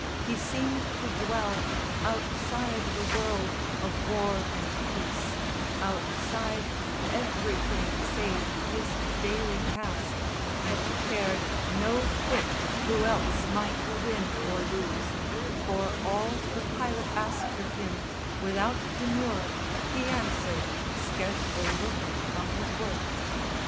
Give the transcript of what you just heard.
He seemed to dwell Outside the world of war and peace, outside Everything save his daily task, and cared No whit who else might win or lose; for all The pilot asked of him without demur He answered, scarcely looking from his work.